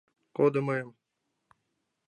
Кодо мыйым!